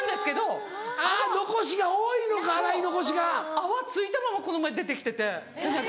泡付いたままこの前出て来てて背中。